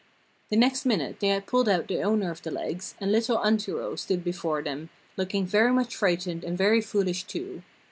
The next minute they had pulled out the owner of the legs, and little Antero stood before them, looking very much frightened and very foolish too.